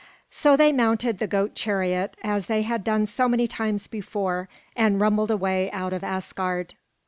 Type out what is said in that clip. So they mounted the goat chariot as they had done so many times before and rumbled away out of Asgard.